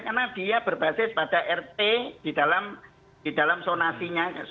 karena dia berbasis pada rt di dalam sonasinya